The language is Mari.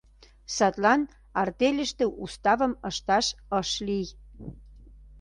Садлан артельыште уставым ышташ ыш лий.